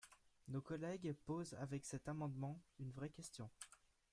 Nos collègues posent avec cet amendement une vraie question.